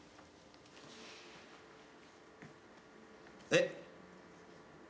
えっ？